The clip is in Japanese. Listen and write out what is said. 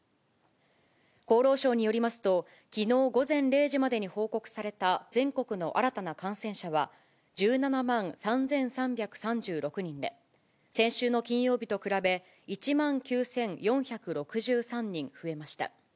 厚労省によりますと、きのう午前０時までに報告された全国の新たな感染者は、１７万３３３６人で、先週の金曜日と比べ１万９４６３人増えました。